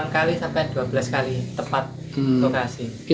delapan kali sampai dua belas kali tepat lokasi